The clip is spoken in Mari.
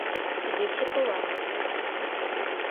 Игече пылан.